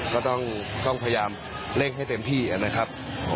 ก็ต้องพยายามเร่งให้เต็มที่นะครับ